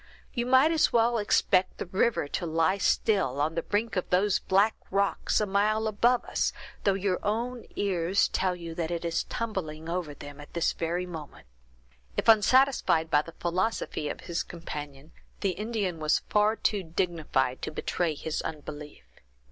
You might as well expect the river to lie still on the brink of those black rocks a mile above us, though your own ears tell you that it is tumbling over them at this very moment." If unsatisfied by the philosophy of his companion, the Indian was far too dignified to betray his unbelief.